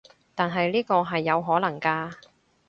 但係呢個係有可能㗎